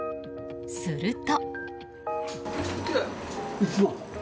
すると。